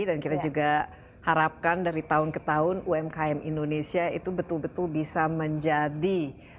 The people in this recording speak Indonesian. dan kita juga harapkan dari tahun ke tahun umkm indonesia itu betul betul bisa menjadi